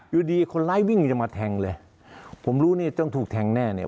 อยู่ดีคนร้ายวิ่งจะมาแทงเลยผมรู้เนี่ยต้องถูกแทงแน่เนี่ย